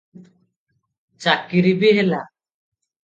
ଚାକିରି ବି ହେଲା ।